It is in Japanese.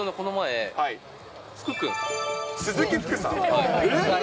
鈴木福さん。